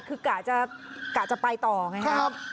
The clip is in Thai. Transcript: คือกะจะไปต่อไงครับ